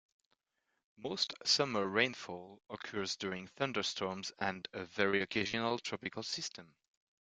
Most summer rainfall occurs during thunderstorms and a very occasional tropical system.